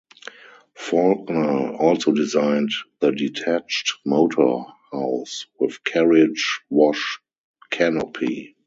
Faulkner also designed the detached motor house with carriage-wash canopy.